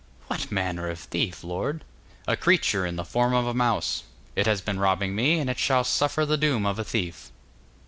'What manner of thief, lord?' 'A creature in the form of a mouse. It has been robbing me, and it shall suffer the doom of a thief.